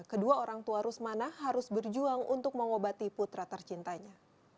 kedua orang tua rusmana harus berjuang untuk mengobati putra tercintanya